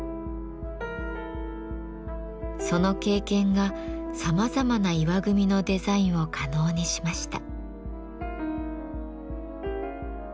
その経験がさまざまな石組のデザインを可能にしました。